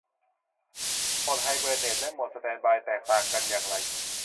โหมดไฮเบอร์เนตและโหมดสแตนด์บายแตกต่างกันอย่างไร